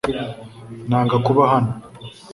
Nanga kuba hano .